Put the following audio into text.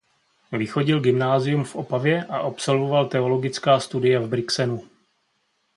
Vychodil gymnázium v Opavě a absolvoval teologická studia v Brixenu.